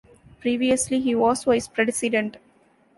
Previously he was vice president.